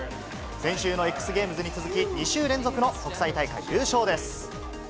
先週のＸゲームズに続き、２週連続の国際大会優勝です。